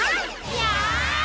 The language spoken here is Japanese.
やあ！